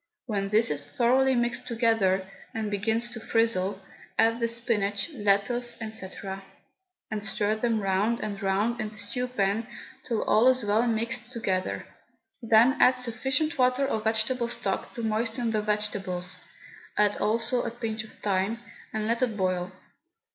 When this is thoroughly mixed together, and begins to frizzle, add the spinach, lettuce, &c., and stir them round and round in the stew pan till all is well mixed together. Then add sufficient water or vegetable stock to moisten the vegetables (add also a pinch of thyme), and let it boil.